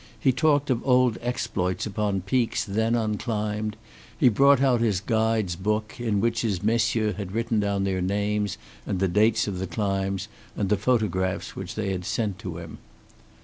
He talked of old exploits upon peaks then unclimbed, he brought out his guide's book, in which his messieurs had written down their names and the dates of the climbs, and the photographs which they had sent to him.